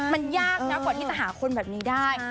มันยากนะกว่าที่จะหาคนแบบนี้ได้